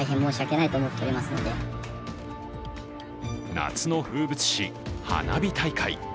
夏の風物詩・花火大会。